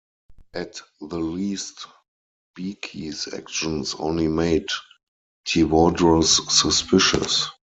At the least Beke's actions only made Tewodros suspicious.